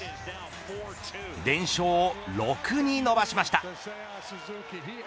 連勝を６に伸ばしました。